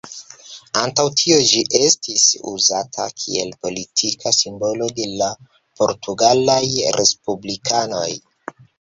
Antaŭ tio ĝi estis uzata kiel politika simbolo de la portugalaj respublikanoj.